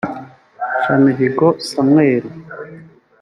Nshamihigo Samuel